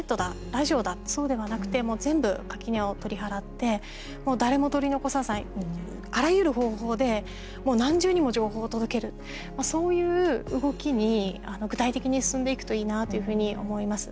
ラジオだ、そうではなくて全部、垣根を取り払って誰も取り残さないあらゆる方法でもう何重にも情報を届けるそういう動きに具体的に進んでいくといいなというふうに思います。